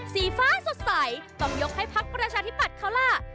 สีฟ้าสดใสต้องยกให้พักประชาธิปัตย์เขาล่ะ